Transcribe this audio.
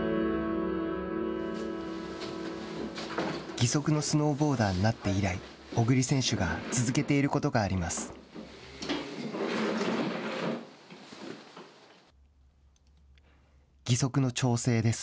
義足のスノーボーダーになって以来小栗選手が続けていることがあります。